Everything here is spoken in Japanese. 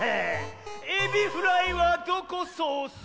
エビフライはどこソース？